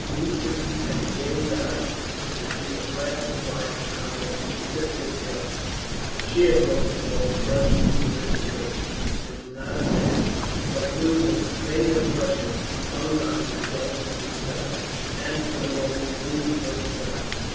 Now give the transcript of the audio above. Ziethen has gained the heights. We can see the flash of fire round the Siptitz hill." A cheer broke from all the Prussians within hearing. There was not a man but knew that the fate of Prussia hung on the result of this battle, and for the moment wounds were forgotten.